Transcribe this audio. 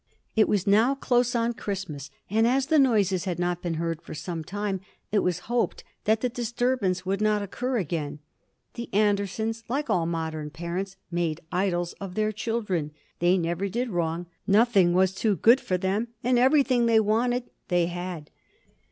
It was now close on Christmas, and as the noises had not been heard for some time, it was hoped that the disturbances would not occur again. The Andersons, like all modern parents, made idols of their children. They never did wrong, nothing was too good for them, and everything they wanted they had.